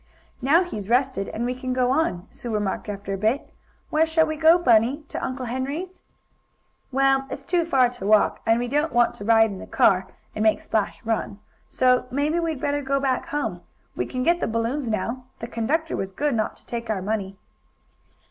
"Now he's rested, and we can go on," Sue remarked after a bit. "Where shall we go, Bunny to Uncle Henry's?" "Well, it's too far to walk, and we don't want to ride in the car, and make Splash run, so maybe we'd better go back home. We can get the balloons now. The conductor was good not to take our money."